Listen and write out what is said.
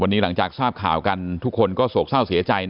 วันนี้หลังจากทราบข่าวกันทุกคนก็โศกเศร้าเสียใจ